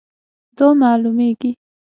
دا معلومیږي